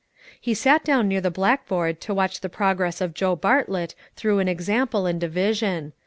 He sat down near the blackboard to watch the progress of Joe Bartlett through an example in division.